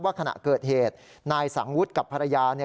ขณะเกิดเหตุนายสังวุฒิกับภรรยาเนี่ย